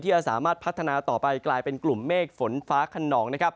ที่จะสามารถพัฒนาต่อไปกลายเป็นกลุ่มเมฆฝนฟ้าคันนอง